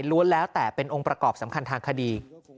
แล้วแต่เป็นองค์ประกอบสำคัญทางคดี